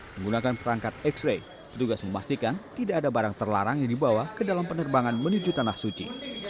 menggunakan perangkat x ray petugas memastikan tidak ada barang terlarang yang dibawa ke dalam penerbangan menuju tanah suci